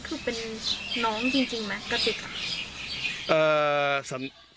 คืออันนั้นคือเป็นน้องจริงมั้ยกระติก